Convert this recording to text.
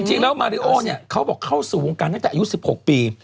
จริงแล้วมาริโอเนี่ยเขาบอกเข้าสู่วงการตั้งแต่อายุ๑๖ปี